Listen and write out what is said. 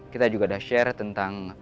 kita juga ada share tentang